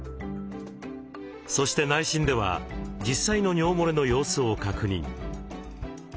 そして内診では実際の尿もれの様子を確認。